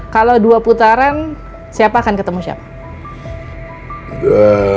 kalau dua putaran siapa akan ketemu siapa